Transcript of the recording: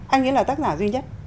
anh ấy là tác giả duy nhất